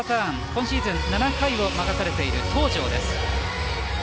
今シーズン７回を任されている東條です。